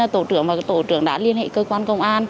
tổ trưởng và tổ trưởng đã liên hệ cơ quan công an